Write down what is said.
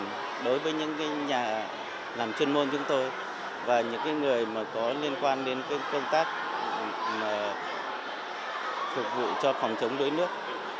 chúng tôi sẽ cố gắng làm chuyên môn chúng tôi và những người có liên quan đến công tác phục vụ cho phòng chống đuối nước